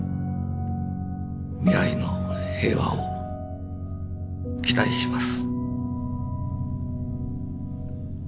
未来の平和を期待します」。